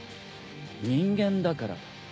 人間だからだ。